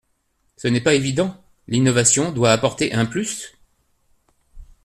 Ce n’est pas évident : l’innovation doit apporter un plus.